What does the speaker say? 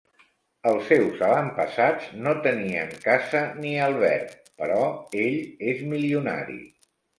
Els seus avantpassats no tenien casa ni alberg, però ell és milionari.